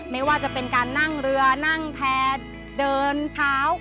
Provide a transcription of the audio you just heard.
ไม่ว่าจะเป็นการนั่งเรือนั่งแพร่เดินเท้า